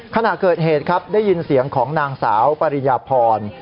ขณะเกิดเหตุครับได้ยินเสียงของนางสาวปริญญาพร